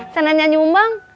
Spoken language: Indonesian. senang nyanyi umbang